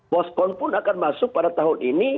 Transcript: boscon pun akan masuk pada tahun ini